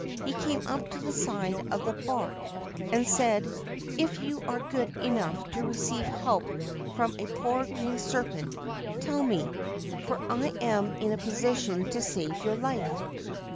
He came up to the side of the barque and said :' If you are good enough to receive help from a poor Green Serpent, tell me, for I am in a position to save your life.'